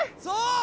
そう！